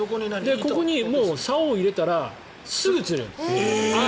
ここにさおを入れたらすぐ釣れるんです。